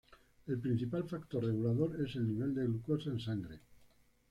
El principal factor regulador es el nivel de glucosa en sangre.